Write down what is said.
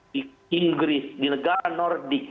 di inggris di negara nordik